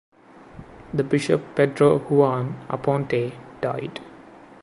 The Bishop Pedro Juan Aponte died.